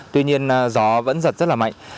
tuy nhiên gió vẫn giật rất là mạnh